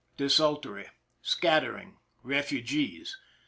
Desultory. Scat tering. Refugees.